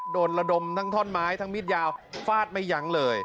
ระดมทั้งท่อนไม้ทั้งมีดยาวฟาดไม่ยั้งเลย